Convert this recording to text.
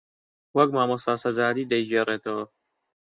وەک مامۆستا سەجادی دەیگێڕێتەوە